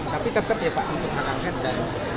tapi tetep ya pak untuk haket dan